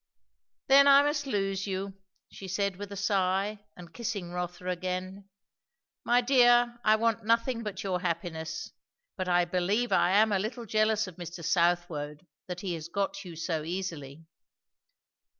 "Then I must lose you!" she said with a sigh and kissing Rotha again. "My dear, I want nothing but your happiness; but I believe I am a little jealous of Mr. Southwode, that he has got you so easily."